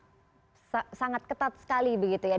itu sangat ketat sekali begitu ya